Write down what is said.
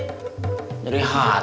jadi hanya beberapa hari lagi